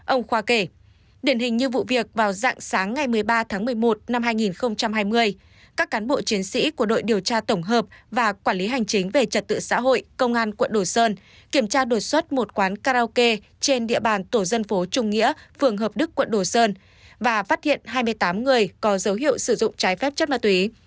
ông khoa kể điển hình như vụ việc vào dạng sáng ngày một mươi ba tháng một mươi một năm hai nghìn hai mươi các cán bộ chiến sĩ của đội điều tra tổng hợp và quản lý hành chính về trật tự xã hội công an quận đồ sơn kiểm tra đột xuất một quán karaoke trên địa bàn tổ dân phố trung nghĩa phường hợp đức quận đồ sơn và phát hiện hai mươi tám người có dấu hiệu sử dụng trái phép chất ma túy